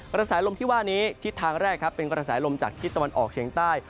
กระสายลมที่ว่านี้ชิดทางแรกเป็นกระสายลมจากที่ตะวันออกเชียงใต้